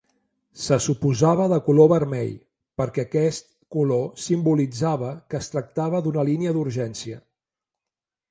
Se suposava de color vermell perquè aquest color simbolitzava que es tractava d'una línia d'urgència.